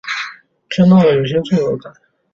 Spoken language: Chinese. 听到了有点罪恶感